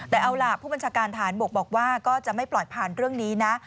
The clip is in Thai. แต่เอาล่ะผู้บัญชาการฐานบกบอกว่าก็จะไม่ปล่อยผ่านเรื่องนี้นะ